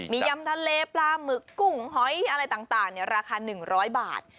มียำทะเลปลาหมึกกุ้งหอยอะไรต่างราคา๑๐๐บาท